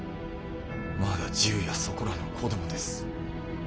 まだ１０やそこらの子どもです。